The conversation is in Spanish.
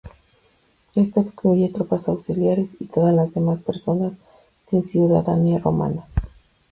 Esto excluye tropas auxiliares y todas las demás personas sin ciudadanía romana.